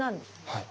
はい。